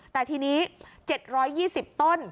แต่ทีนี้๗๒๐ต้น